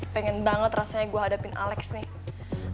pengen banget rasanya yang gue hadapin alex nih